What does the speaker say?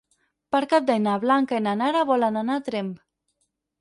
Per Cap d'Any na Blanca i na Nara volen anar a Tremp.